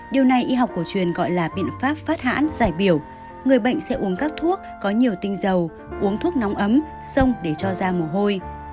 điều này y học cổ truyền gọi là biện pháp phát hãn giải biểu người bệnh sẽ uống các thuốc có nhiều tinh dầu uống thuốc nóng ấm sông để cho da mồ hôi